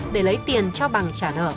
để lấy tiền cho bằng